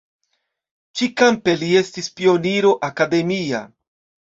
Ĉi-kampe li estis pioniro akademia.